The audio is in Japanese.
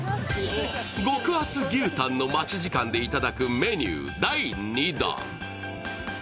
極厚牛タンの待ち時間でいただくメニュー第２弾。